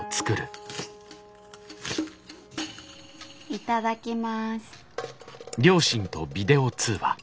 いただきます。